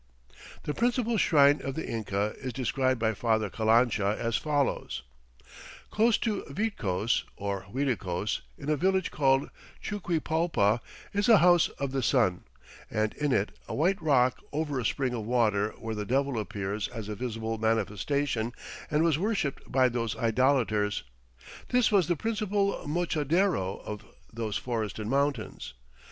The principal shrine of the Inca is described by Father Calancha as follows: "Close to Vitcos [or Uiticos] in a village called Chuquipalpa, is a House of the Sun, and in it a white rock over a spring of water where the Devil appears as a visible manifestation and was worshipped by those idolators. This was the principal mochadero of those forested mountains.